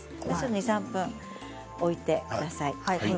２、３分置いてください。